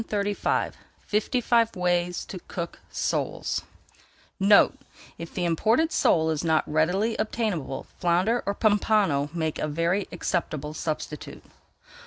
[Page 379] FIFTY FIVE WAYS TO COOK SOLES NOTE: If the imported sole is not readily obtainable, flounder or pompano makes a very acceptable substitute.